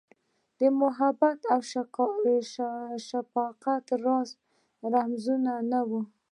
د محبت اوشفقت زاړه رمزونه، نه وه